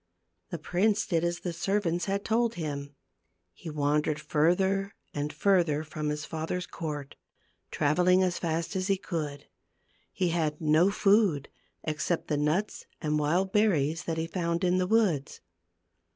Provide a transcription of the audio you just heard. The prince did as the servants had told him. He wandered further and further from his father's court, traveling as fast as he could. He had no food except the nuts and wild berries that he found in the woods.